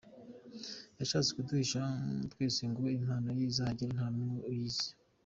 Yashatse kuduhisha twese ngo impano ye izahagere nta n’umwe uyizi.